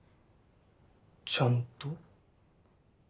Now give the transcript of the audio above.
「ちゃんと」？